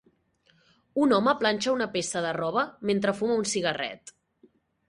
Un home planxa una peça de roba mentre fuma un cigarret.